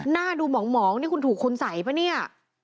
หน้าดูหมองนี่คุณถูกคุณสัยปะเนี่ย